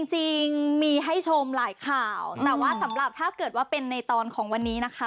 จริงมีให้ชมหลายข่าวแต่ว่าสำหรับถ้าเกิดว่าเป็นในตอนของวันนี้นะคะ